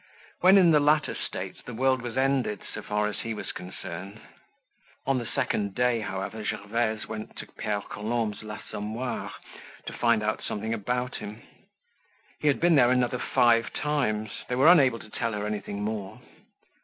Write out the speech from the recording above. When in the latter state, the world was ended so far as he was concerned. On the second day, however, Gervaise went to Pere Colombe's l'Assommoir to find out something about him; he had been there another five times, they were unable to tell her anything more.